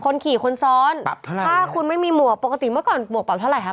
คนขี่คนซ้อนถ้าคุณไม่มีหมวกปกติเมื่อก่อนหมวกปรับเท่าไห